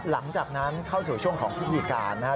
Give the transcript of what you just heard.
หลังจากนั้นเข้าสู่ช่วงของพิธีการนะครับ